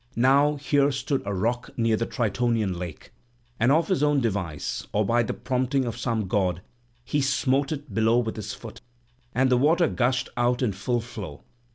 Now here stood a rock near the Tritonian lake; and of his own device, or by the prompting of some god, he smote it below with his foot; and the water gushed out in full flow.